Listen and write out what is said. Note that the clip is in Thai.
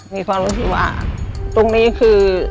มีความรู้สึกว่าตรงนี้คือ